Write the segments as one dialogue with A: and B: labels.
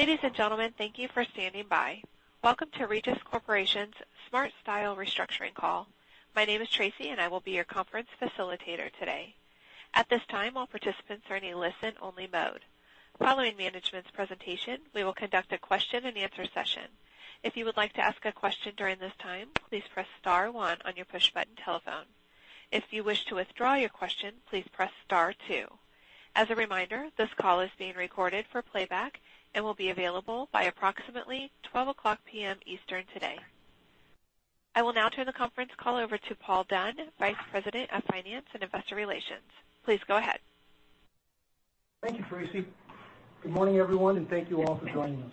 A: Ladies and gentlemen, thank you for standing by. Welcome to Regis Corporation's SmartStyle Restructuring call. My name is Tracy, I will be your conference facilitator today. At this time, all participants are in a listen-only mode. Following management's presentation, we will conduct a question and answer session. If you would like to ask a question during this time, please press star one on your push button telephone. If you wish to withdraw your question, please press star two. As a reminder, this call is being recorded for playback and will be available by approximately 12:00 P.M. Eastern today. I will now turn the conference call over to Paul Dunn, Vice President of Finance and Investor Relations. Please go ahead.
B: Thank you, Tracy. Good morning, everyone. Thank you all for joining us.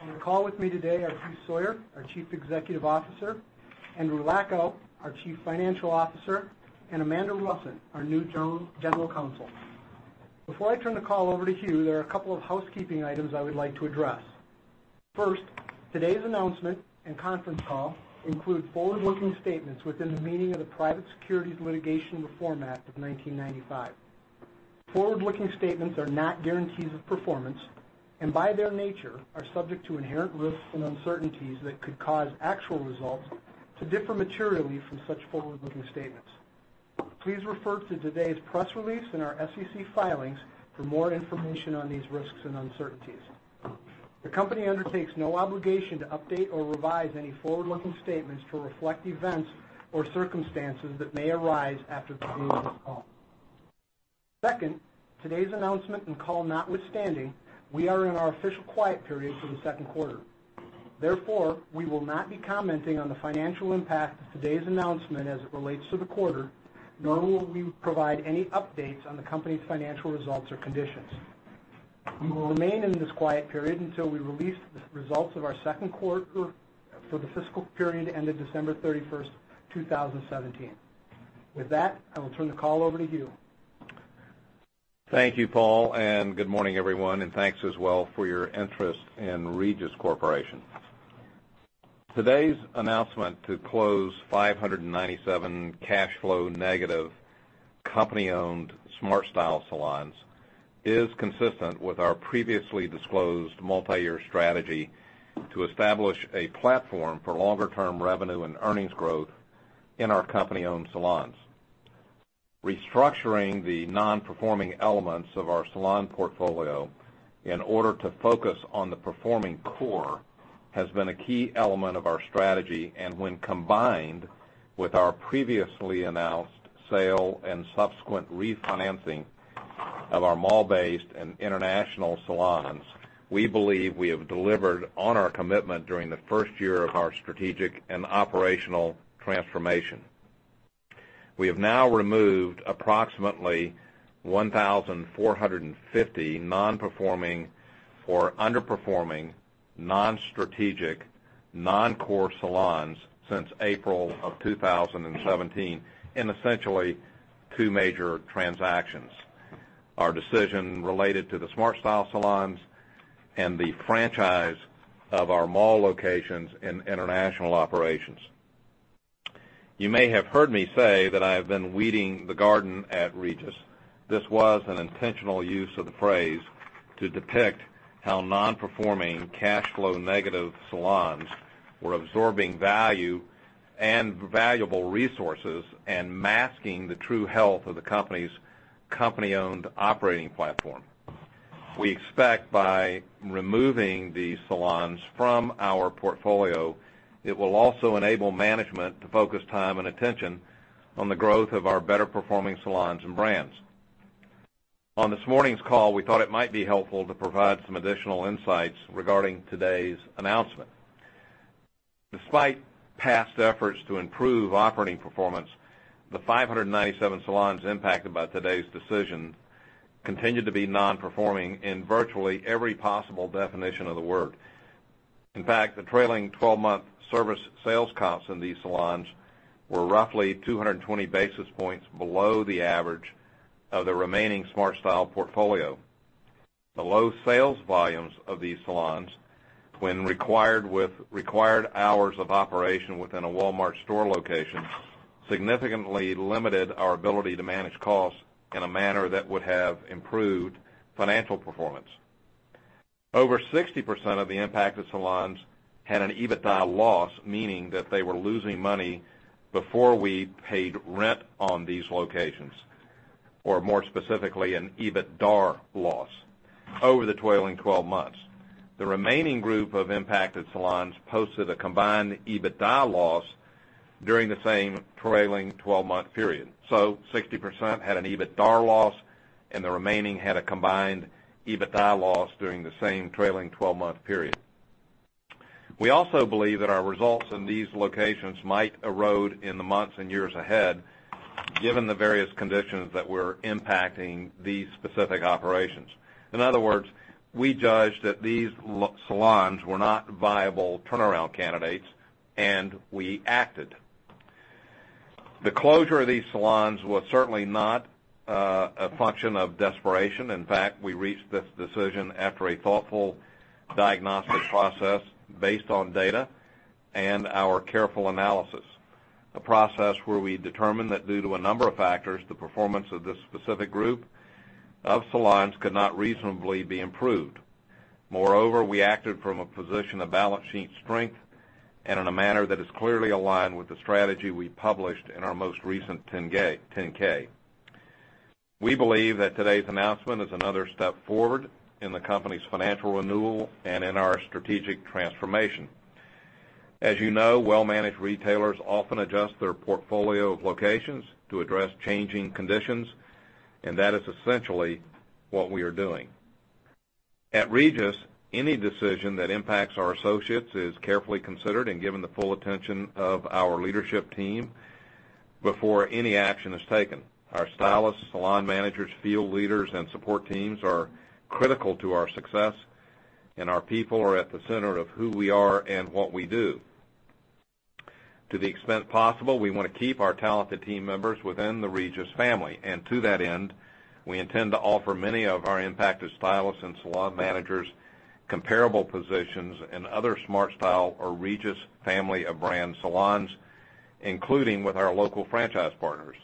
B: On the call with me today are Hugh Sawyer, our Chief Executive Officer, Andrew Lacko, our Chief Financial Officer, and Amanda Rusin, our new General Counsel. Before I turn the call over to Hugh, there are a couple of housekeeping items I would like to address. First, today's announcement and conference call include forward-looking statements within the meaning of the Private Securities Litigation Reform Act of 1995. Forward-looking statements are not guarantees of performance, and by their nature, are subject to inherent risks and uncertainties that could cause actual results to differ materially from such forward-looking statements. Please refer to today's press release in our SEC filings for more information on these risks and uncertainties. The company undertakes no obligation to update or revise any forward-looking statements to reflect events or circumstances that may arise after today's call. Second, today's announcement and call notwithstanding, we are in our official quiet period for the second quarter. We will not be commenting on the financial impact of today's announcement as it relates to the quarter, nor will we provide any updates on the company's financial results or conditions. We will remain in this quiet period until we release the results of our second quarter for the fiscal period ended December 31st, 2017. With that, I will turn the call over to Hugh.
C: Thank you, Paul. Good morning, everyone. Thanks as well for your interest in Regis Corporation. Today's announcement to close 597 cash flow negative company-owned SmartStyle salons is consistent with our previously disclosed multi-year strategy to establish a platform for longer-term revenue and earnings growth in our company-owned salons. Restructuring the non-performing elements of our salon portfolio in order to focus on the performing core has been a key element of our strategy. When combined with our previously announced sale and subsequent refinancing of our mall-based and international salons, we believe we have delivered on our commitment during the first year of our strategic and operational transformation. We have now removed approximately 1,450 non-performing or underperforming non-strategic, non-core salons since April of 2017 in essentially two major transactions. Our decision related to the SmartStyle salons and the franchise of our mall locations and international operations. You may have heard me say that I have been weeding the garden at Regis. This was an intentional use of the phrase to depict how non-performing cash flow negative salons were absorbing value and valuable resources and masking the true health of the company's company-owned operating platform. We expect by removing these salons from our portfolio, it will also enable management to focus time and attention on the growth of our better-performing salons and brands. On this morning's call, we thought it might be helpful to provide some additional insights regarding today's announcement. Despite past efforts to improve operating performance, the 597 salons impacted by today's decision continued to be non-performing in virtually every possible definition of the word. In fact, the trailing 12-month service sales comps in these salons were roughly 220 basis points below the average of the remaining SmartStyle portfolio. The low sales volumes of these salons when required with required hours of operation within a Walmart store location, significantly limited our ability to manage costs in a manner that would have improved financial performance. Over 60% of the impacted salons had an EBITDA loss, meaning that they were losing money before we paid rent on these locations, or more specifically, an EBITDAR loss over the trailing 12 months. The remaining group of impacted salons posted a combined EBITDA loss during the same trailing 12-month period. 60% had an EBITDAR loss, and the remaining had a combined EBITDA loss during the same trailing 12-month period. We also believe that our results in these locations might erode in the months and years ahead, given the various conditions that were impacting these specific operations. In other words, we judged that these salons were not viable turnaround candidates, and we acted. The closure of these salons was certainly not a function of desperation. In fact, we reached this decision after a thoughtful diagnostic process based on data and our careful analysis. A process where we determine that due to a number of factors, the performance of this specific group of salons could not reasonably be improved. Moreover, we acted from a position of balance sheet strength and in a manner that is clearly aligned with the strategy we published in our most recent 10-K. We believe that today's announcement is another step forward in the company's financial renewal and in our strategic transformation. As you know, well-managed retailers often adjust their portfolio of locations to address changing conditions, and that is essentially what we are doing. At Regis, any decision that impacts our associates is carefully considered and given the full attention of our leadership team before any action is taken. Our stylists, salon managers, field leaders, and support teams are critical to our success, and our people are at the center of who we are and what we do. To the extent possible, we want to keep our talented team members within the Regis family. To that end, we intend to offer many of our impacted stylists and salon managers comparable positions in other SmartStyle or Regis family of brand salons, including with our local franchise partners.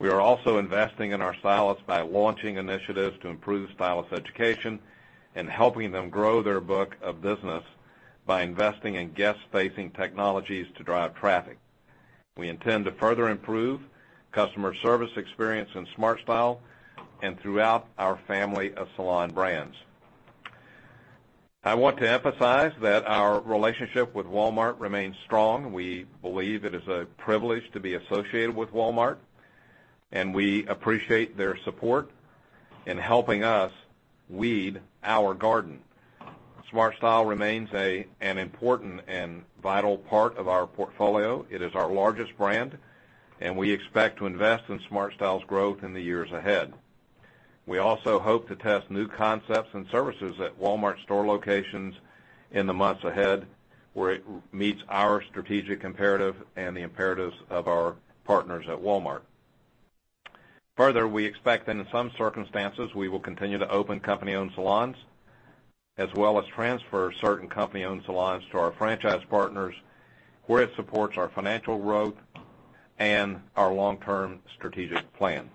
C: We are also investing in our stylists by launching initiatives to improve stylist education and helping them grow their book of business by investing in guest-facing technologies to drive traffic. We intend to further improve customer service experience in SmartStyle and throughout our family of salon brands. I want to emphasize that our relationship with Walmart remains strong. We believe it is a privilege to be associated with Walmart, and we appreciate their support in helping us weed our garden. SmartStyle remains an important and vital part of our portfolio. It is our largest brand, and we expect to invest in SmartStyle's growth in the years ahead. We also hope to test new concepts and services at Walmart store locations in the months ahead, where it meets our strategic imperative and the imperatives of our partners at Walmart. Further, we expect that in some circumstances, we will continue to open company-owned salons, as well as transfer certain company-owned salons to our franchise partners, where it supports our financial growth and our long-term strategic plan.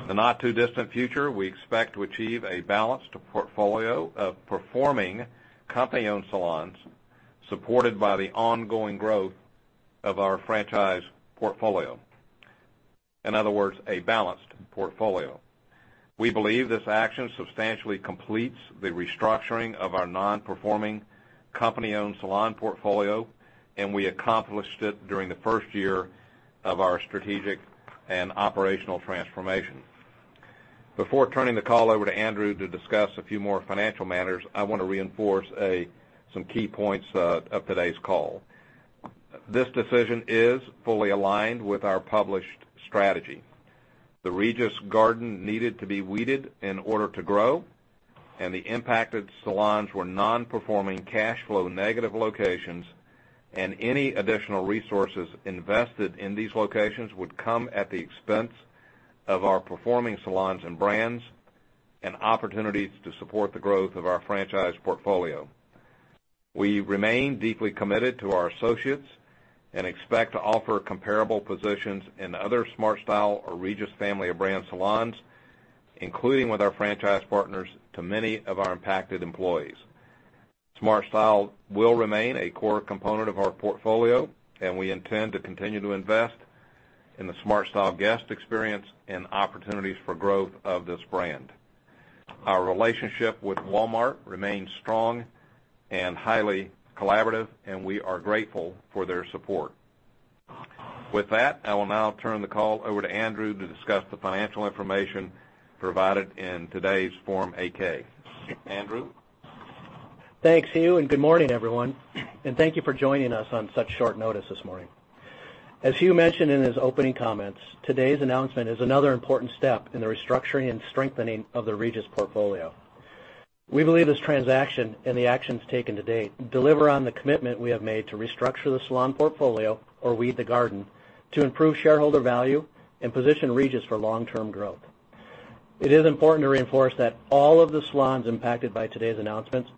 C: In the not too distant future, we expect to achieve a balanced portfolio of performing company-owned salons, supported by the ongoing growth of our franchise portfolio. In other words, a balanced portfolio. We believe this action substantially completes the restructuring of our non-performing company-owned salon portfolio, and we accomplished it during the first year of our strategic and operational transformation. Before turning the call over to Andrew to discuss a few more financial matters, I want to reinforce some key points of today's call. This decision is fully aligned with our published strategy. The Regis garden needed to be weeded in order to grow, and the impacted salons were non-performing, cash flow negative locations, and any additional resources invested in these locations would come at the expense of our performing salons and brands, and opportunities to support the growth of our franchise portfolio. We remain deeply committed to our associates and expect to offer comparable positions in other SmartStyle or Regis family of brand salons, including with our franchise partners to many of our impacted employees. SmartStyle will remain a core component of our portfolio, and we intend to continue to invest in the SmartStyle guest experience and opportunities for growth of this brand. Our relationship with Walmart remains strong and highly collaborative, and we are grateful for their support. With that, I will now turn the call over to Andrew to discuss the financial information provided in today's Form 8-K. Andrew?
D: Thanks, Hugh, and good morning, everyone. Thank you for joining us on such short notice this morning. As Hugh mentioned in his opening comments, today's announcement is another important step in the restructuring and strengthening of the Regis portfolio. We believe this transaction and the actions taken to date deliver on the commitment we have made to restructure the salon portfolio or weed the garden to improve shareholder value and position Regis for long-term growth. It is important to reinforce that all of the salons impacted by today's announcements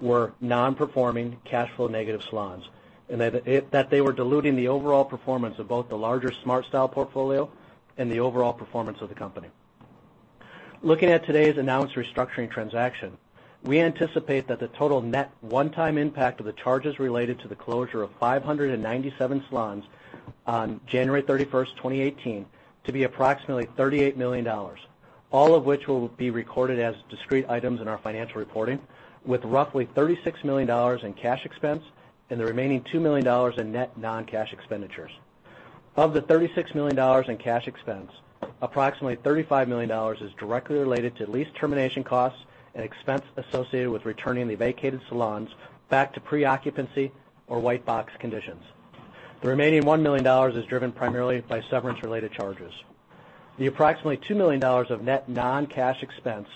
D: were non-performing, cash flow negative salons, and that they were diluting the overall performance of both the larger SmartStyle portfolio and the overall performance of the company. Looking at today's announced restructuring transaction, we anticipate that the total net one-time impact of the charges related to the closure of 597 salons on January 31st, 2018, to be approximately $38 million, all of which will be recorded as discrete items in our financial reporting, with roughly $36 million in cash expense and the remaining $2 million in net non-cash expenditures. Of the $36 million in cash expense, approximately $35 million is directly related to lease termination costs and expense associated with returning the vacated salons back to pre-occupancy or white box conditions. The remaining $1 million is driven primarily by severance-related charges. The approximately $2 million of net non-cash expense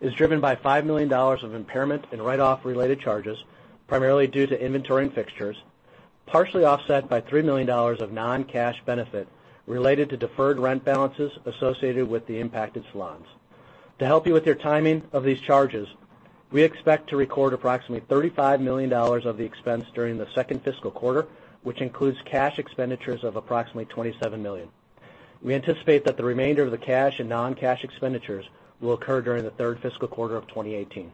D: is driven by $5 million of impairment and write-off related charges, primarily due to inventory and fixtures, partially offset by $3 million of non-cash benefit related to deferred rent balances associated with the impacted salons. To help you with your timing of these charges, we expect to record approximately $35 million of the expense during the second fiscal quarter, which includes cash expenditures of approximately $27 million. We anticipate that the remainder of the cash and non-cash expenditures will occur during the third fiscal quarter of 2018.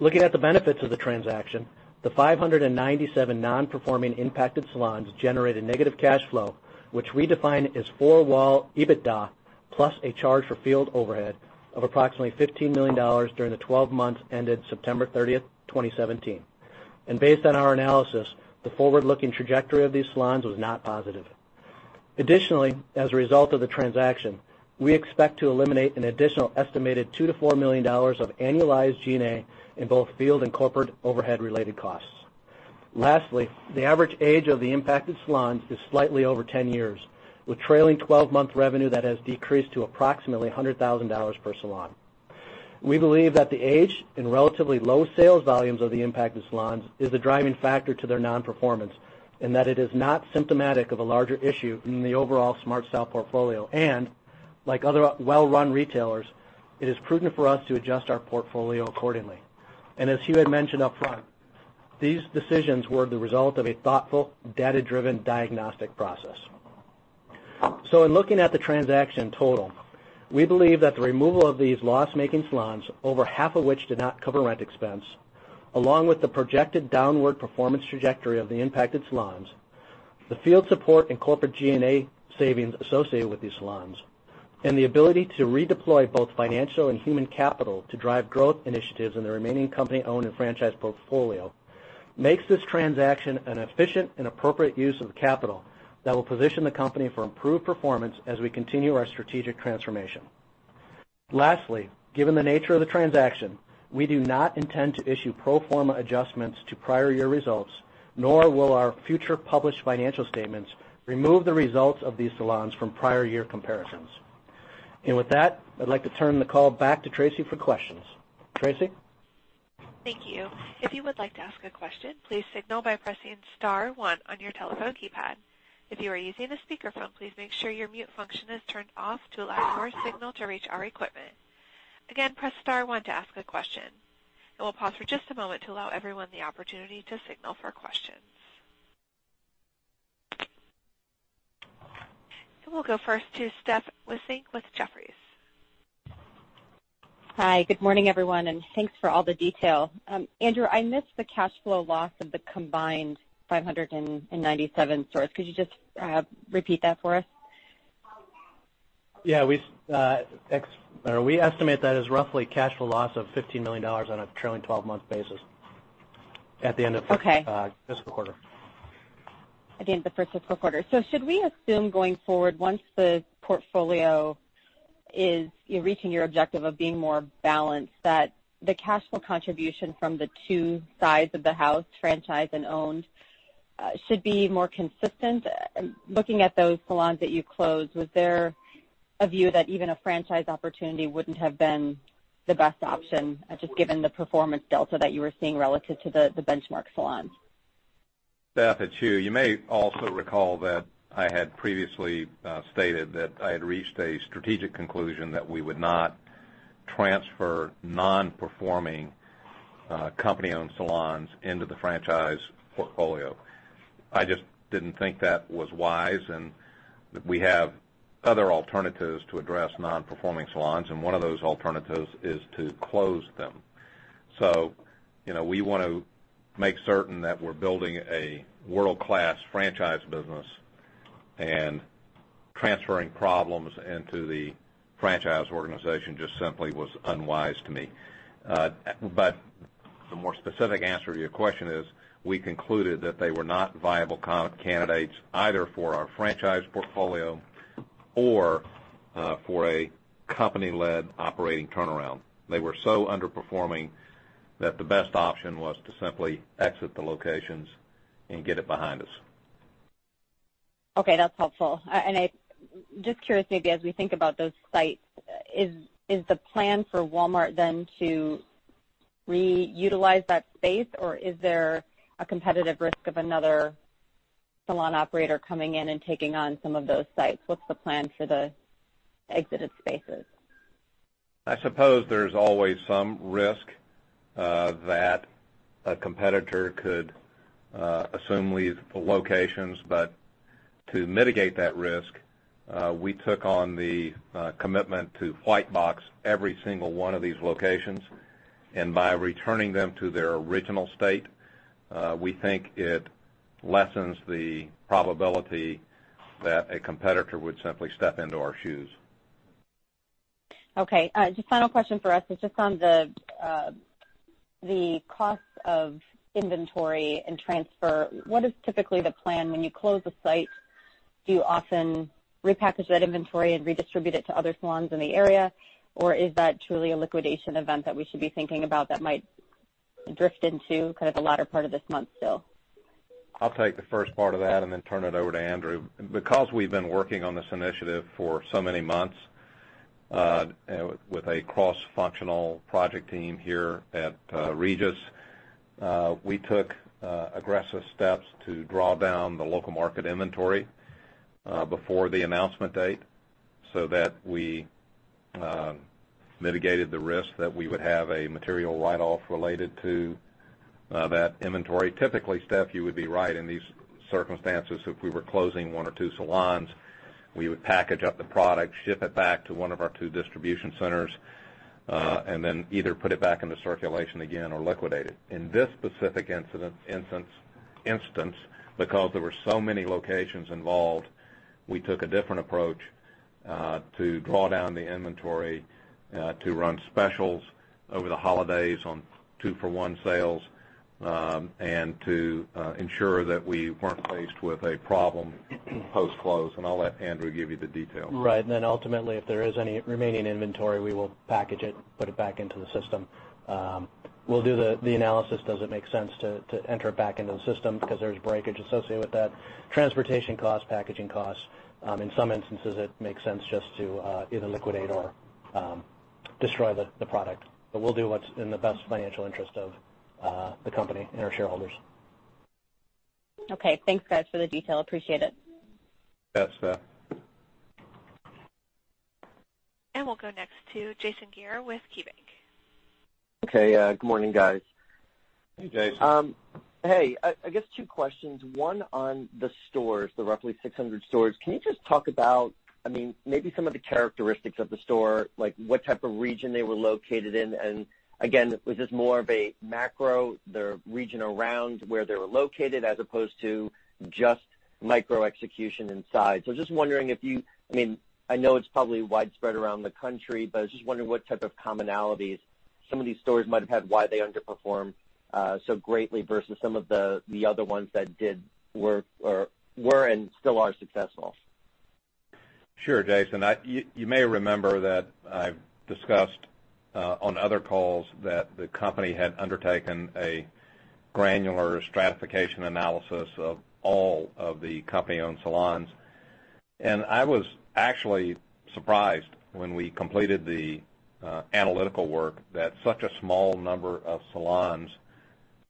D: Looking at the benefits of the transaction, the 597 non-performing impacted salons generated negative cash flow, which we define as four-wall EBITDA plus a charge for field overhead of approximately $15 million during the 12 months ended September 30th, 2017. Based on our analysis, the forward-looking trajectory of these salons was not positive. Additionally, as a result of the transaction, we expect to eliminate an additional estimated $2 million-$4 million of annualized G&A in both field and corporate overhead related costs. Lastly, the average age of the impacted salons is slightly over 10 years, with trailing 12-month revenue that has decreased to approximately $100,000 per salon. We believe that the age and relatively low sales volumes of the impacted salons is a driving factor to their non-performance, and that it is not symptomatic of a larger issue in the overall SmartStyle portfolio, and, like other well-run retailers, it is prudent for us to adjust our portfolio accordingly. As Hugh had mentioned upfront, these decisions were the result of a thoughtful, data-driven diagnostic process. In looking at the transaction total, we believe that the removal of these loss-making salons, over half of which did not cover rent expense, along with the projected downward performance trajectory of the impacted salons, the field support and corporate G&A savings associated with these salons, and the ability to redeploy both financial and human capital to drive growth initiatives in the remaining company-owned and franchise portfolio, makes this transaction an efficient and appropriate use of capital that will position the company for improved performance as we continue our strategic transformation. Lastly, given the nature of the transaction, we do not intend to issue pro forma adjustments to prior year results, nor will our future published financial statements remove the results of these salons from prior year comparisons. With that, I'd like to turn the call back to Tracy for questions. Tracy?
A: Thank you. If you would like to ask a question, please signal by pressing *1 on your telephone keypad. If you are using a speakerphone, please make sure your mute function is turned off to allow for a signal to reach our equipment. Again, press *1 to ask a question. I will pause for just a moment to allow everyone the opportunity to signal for questions. We'll go first to Stephanie Wissink with Jefferies.
E: Hi, good morning, everyone, and thanks for all the detail. Andrew, I missed the cash flow loss of the combined 597 stores. Could you just repeat that for us?
D: Yeah, we estimate that as roughly cash flow loss of $15 million on a trailing 12-month basis at the end of this-
E: Okay
D: fiscal quarter.
E: Again, the first fiscal quarter. Should we assume going forward, once the portfolio is reaching your objective of being more balanced, that the cash flow contribution from the two sides of the house, franchise and owned, should be more consistent? Looking at those salons that you closed, was there a view that even a franchise opportunity wouldn't have been the best option, just given the performance delta that you were seeing relative to the benchmark salons?
C: Steph, it's Hugh. You may also recall that I had previously stated that I had reached a strategic conclusion that we would not transfer non-performing company-owned salons into the franchise portfolio. I just didn't think that was wise, and we have other alternatives to address non-performing salons, and one of those alternatives is to close them. We want to make certain that we're building a world-class franchise business, and transferring problems into the franchise organization just simply was unwise to me. The more specific answer to your question is, we concluded that they were not viable candidates either for our franchise portfolio or for a company-led operating turnaround. They were so underperforming that the best option was to simply exit the locations and get it behind us.
E: Okay, that's helpful. Just curious, maybe as we think about those sites, is the plan for Walmart then to re-utilize that space, or is there a competitive risk of another salon operator coming in and taking on some of those sites? What's the plan for the exited spaces?
C: I suppose there's always some risk that a competitor could assume these locations. To mitigate that risk, we took on the commitment to white box every single one of these locations, and by returning them to their original state, we think it lessens the probability that a competitor would simply step into our shoes.
E: Okay. Just final question for us is just on the cost of inventory and transfer. What is typically the plan when you close a site? Do you often repackage that inventory and redistribute it to other salons in the area, or is that truly a liquidation event that we should be thinking about that might drift into kind of the latter part of this month still?
C: I'll take the first part of that and then turn it over to Andrew. Because we've been working on this initiative for so many months, with a cross-functional project team here at Regis We took aggressive steps to draw down the local market inventory before the announcement date so that we mitigated the risk that we would have a material write-off related to that inventory. Typically, Steph, you would be right in these circumstances, if we were closing one or two salons, we would package up the product, ship it back to one of our two distribution centers, and then either put it back into circulation again or liquidate it. In this specific instance, because there were so many locations involved, we took a different approach to draw down the inventory to run specials over the holidays on two-for-one sales, to ensure that we weren't faced with a problem post-close. I'll let Andrew give you the details.
D: Right. Ultimately, if there is any remaining inventory, we will package it, put it back into the system. We'll do the analysis, does it make sense to enter it back into the system? Because there's breakage associated with that. Transportation cost, packaging cost. In some instances, it makes sense just to either liquidate or destroy the product. We'll do what's in the best financial interest of the company and our shareholders.
E: Okay. Thanks, guys, for the detail. Appreciate it.
C: You bet, Steph.
A: We'll go next to Jason Ware with KeyBank.
F: Okay. Good morning, guys.
C: Hey, Jason.
F: Hey. I guess two questions. One on the stores, the roughly 600 stores. Can you just talk about maybe some of the characteristics of the store, like what type of region they were located in, and again, was this more of a macro, the region around where they were located, as opposed to just micro execution inside? Just wondering, I know it's probably widespread around the country, but I was just wondering what type of commonalities some of these stores might have had, why they underperformed so greatly versus some of the other ones that did work or were and still are successful.
C: Sure, Jason. You may remember that I've discussed on other calls that the company had undertaken a granular stratification analysis of all of the company-owned salons. I was actually surprised when we completed the analytical work that such a small number of salons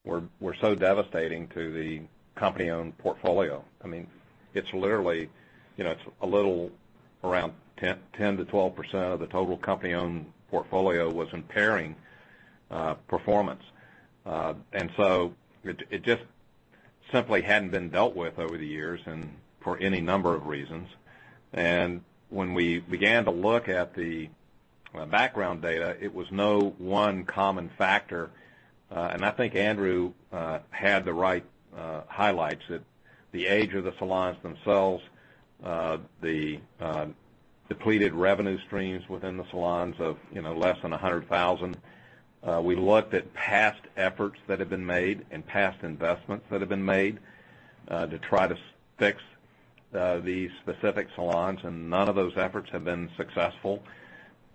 C: were so devastating to the company-owned portfolio. It's a little around 10%-12% of the total company-owned portfolio was impairing performance. It just simply hadn't been dealt with over the years and for any number of reasons. When we began to look at the background data, it was no one common factor. I think Andrew had the right highlights that the age of the salons themselves, the depleted revenue streams within the salons of less than $100,000. We looked at past efforts that have been made and past investments that have been made to try to fix these specific salons, and none of those efforts have been successful.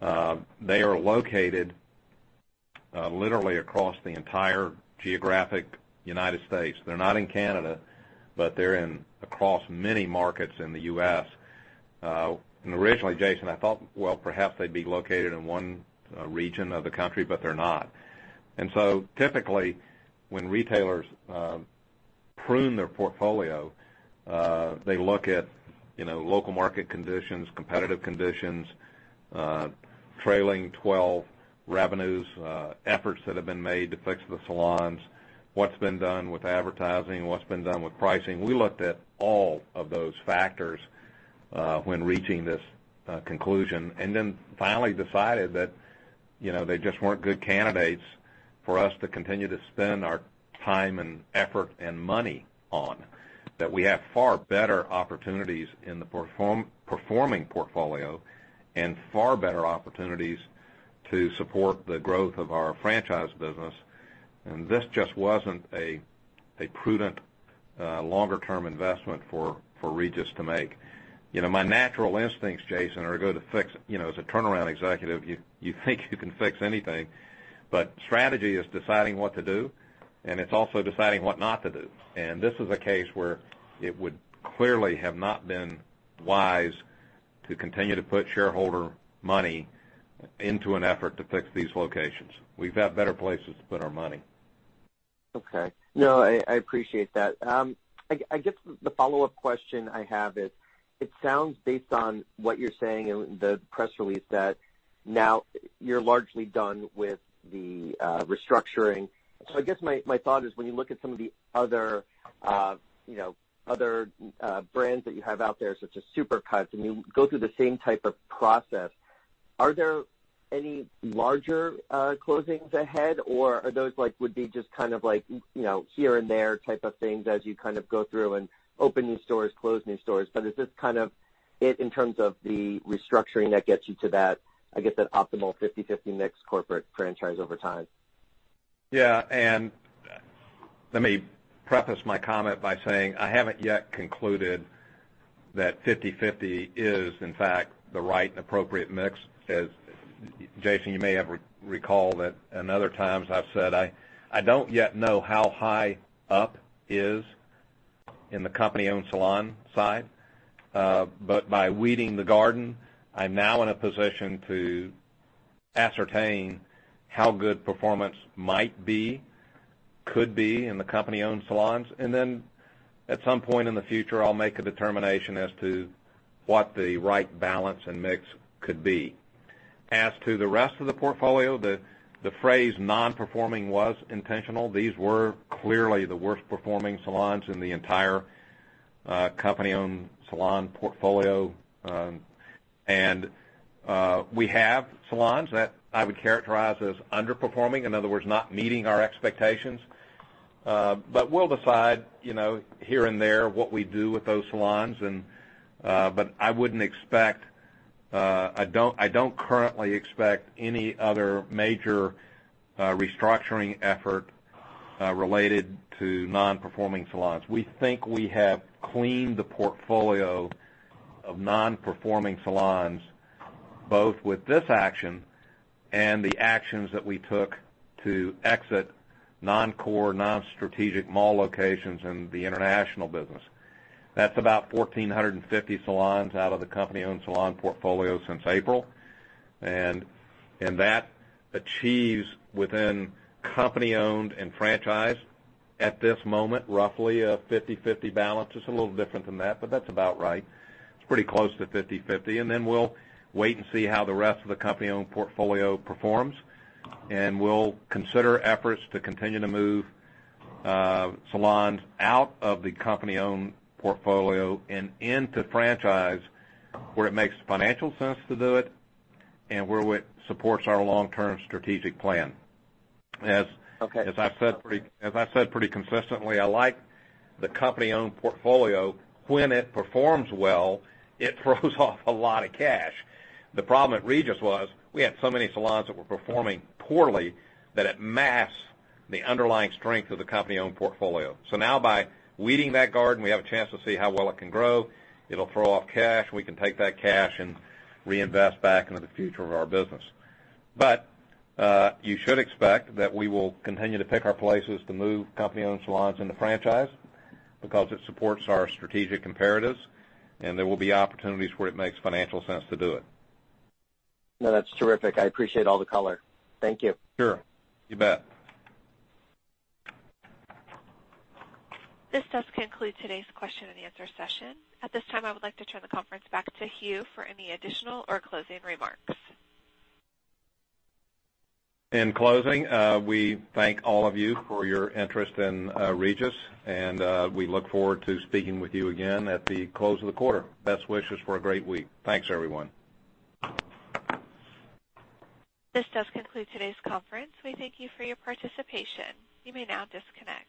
C: They are located literally across the entire geographic U.S. They're not in Canada, but they're across many markets in the U.S. Originally, Jason, I thought, well, perhaps they'd be located in one region of the country, but they're not. Typically, when retailers prune their portfolio, they look at local market conditions, competitive conditions, trailing 12 revenues, efforts that have been made to fix the salons, what's been done with advertising, what's been done with pricing. We looked at all of those factors when reaching this conclusion, and then finally decided that they just weren't good candidates for us to continue to spend our time and effort and money on. We have far better opportunities in the performing portfolio and far better opportunities to support the growth of our franchise business. This just wasn't a prudent longer-term investment for Regis to make. My natural instincts, Jason, are go to fix it. As a turnaround executive, you think you can fix anything. Strategy is deciding what to do, and it's also deciding what not to do. This is a case where it would clearly have not been wise to continue to put shareholder money into an effort to fix these locations. We've got better places to put our money.
F: Okay. No, I appreciate that. I guess the follow-up question I have is, it sounds based on what you're saying in the press release, that now you're largely done with the restructuring. I guess my thought is when you look at some of the other brands that you have out there, such as Supercuts, and you go through the same type of process, are there any larger closings ahead or are those would be just here and there type of things as you go through and open new stores, close new stores? But is this it in terms of the restructuring that gets you to that, I guess that optimal 50/50 mix corporate franchise over time?
C: Let me preface my comment by saying, I haven't yet concluded that 50/50 is in fact the right and appropriate mix. As Jason, you may recall that in other times I've said I don't yet know how high up is in the company-owned salon side. By weeding the garden, I'm now in a position to ascertain how good performance might be, could be in the company-owned salons. Then at some point in the future, I'll make a determination as to what the right balance and mix could be. As to the rest of the portfolio, the phrase non-performing was intentional. These were clearly the worst-performing salons in the entire company-owned salon portfolio. We have salons that I would characterize as underperforming, in other words, not meeting our expectations. We'll decide here and there what we do with those salons. I don't currently expect any other major restructuring effort related to non-performing salons. We think we have cleaned the portfolio of non-performing salons, both with this action and the actions that we took to exit non-core, non-strategic mall locations in the international business. That's about 1,450 salons out of the company-owned salon portfolio since April. That achieves within company-owned and franchise at this moment, roughly a 50/50 balance. It's a little different than that, but that's about right. It's pretty close to 50/50. Then we'll wait and see how the rest of the company-owned portfolio performs, and we'll consider efforts to continue to move salons out of the company-owned portfolio and into franchise, where it makes financial sense to do it, and where it supports our long-term strategic plan.
F: Okay.
C: As I've said pretty consistently, I like the company-owned portfolio. When it performs well, it throws off a lot of cash. The problem at Regis was we had so many salons that were performing poorly that it masked the underlying strength of the company-owned portfolio. Now by weeding that garden, we have a chance to see how well it can grow. It'll throw off cash, and we can take that cash and reinvest back into the future of our business. You should expect that we will continue to pick our places to move company-owned salons into franchise because it supports our strategic imperatives, and there will be opportunities where it makes financial sense to do it.
F: No, that's terrific. I appreciate all the color. Thank you.
C: Sure. You bet.
A: This does conclude today's question and answer session. At this time, I would like to turn the conference back to Hugh for any additional or closing remarks.
C: In closing, we thank all of you for your interest in Regis. We look forward to speaking with you again at the close of the quarter. Best wishes for a great week. Thanks, everyone.
A: This does conclude today's conference. We thank you for your participation. You may now disconnect.